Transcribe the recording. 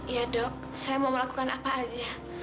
iya dok saya mau melakukan apa saja